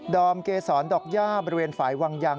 ดอมเกษรดอกหญ้าบริเวณฝายวังยัง